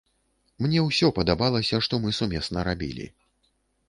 Мне ўсё падабалася, што мы сумесна рабілі.